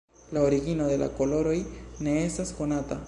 La origino de la koloroj ne estas konata.